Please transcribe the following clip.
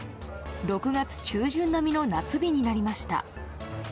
６月中旬並みの夏日になりました。